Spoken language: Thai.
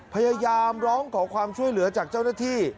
พยายามร้องขอความช่วยเหลือจากเจ้าหน้าที่